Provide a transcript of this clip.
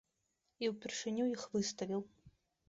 І ўпершыню іх выставіў.